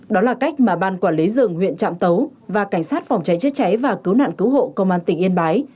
đó là cách mà ban quản lý rừng huyện trạm tấu và cảnh sát phòng cháy chữa cháy và cứu nạn cứu hộ công an tỉnh yên bái